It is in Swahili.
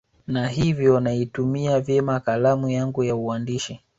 na hivyo naitumia vyema kalamu yangu ya uandishi